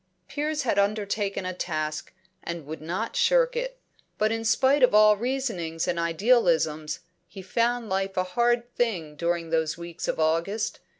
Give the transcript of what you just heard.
Piers had undertaken a task and would not shirk it; but in spite of all reasonings and idealisms he found life a hard thing during those weeks of August.